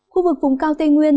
khu vực vùng cao tây nguyên